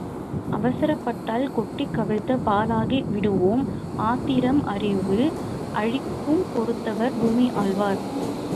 அவசரப்பட்டால் கொட்டிக் கவிழ்த்த பாலாகி விடுவோம் ஆத்திரம் அறிவு அழிக்கும் பொறுத்தவர் பூமி ஆள்வார்.